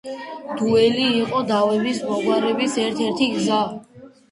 დუელი იყო დავების მოგვარების ერთ-ერთი გზა.